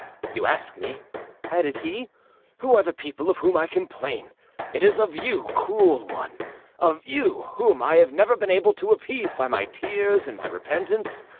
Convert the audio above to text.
'You ask me,' added he, 'who are the people of whom I complain: it is of you, cruel one, of you, whom I have never been able to appease by my tears and my repentance.